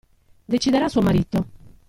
Deciderà suo marito.